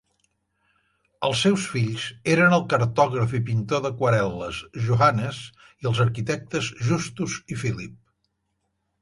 Els seus fills eren el cartògraf i pintor d'aquarel·les Johannes i els arquitectes Justus i Philip.